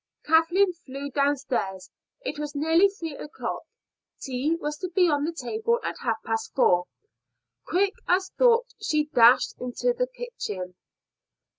Kathleen flew downstairs. It was nearly three o'clock; tea was to be on the table at half past four. Quick as thought she dashed into the kitchen.